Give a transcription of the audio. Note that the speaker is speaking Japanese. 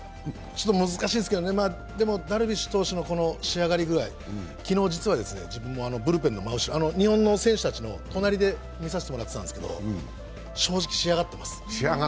難しいですけど、でもダルビッシュのこの仕上がり具合、昨日、実は自分もブルペンの真後ろ、日本の選手たちの隣で見させてもらったんですけど、正直、仕上がってます。